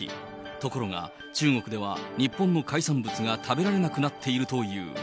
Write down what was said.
ところが、中国では日本の海産物が食べられなくなっているという。